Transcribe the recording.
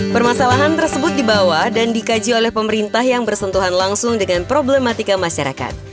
permasalahan tersebut dibawa dan dikaji oleh pemerintah yang bersentuhan langsung dengan problematika masyarakat